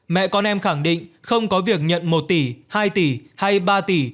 mẹ con em khẳng định không có việc nhận một tỷ hai tỷ hay ba tỷ